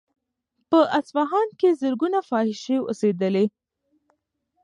په اصفهان کې زرګونه فاحشې اوسېدلې.